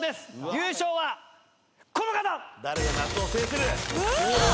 優勝はこの方！